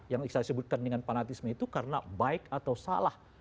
yang saya sebutkan dengan fanatisme itu karena baik atau salah